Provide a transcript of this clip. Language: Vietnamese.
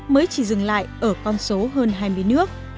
mới chỉ dừng lại ở con số hơn hai mươi nước